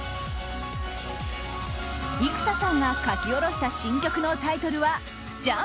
幾田さんが書き下ろした新曲のタイトルは「ＪＵＭＰ」。